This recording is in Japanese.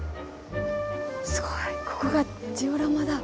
すごいここがジオラマだ。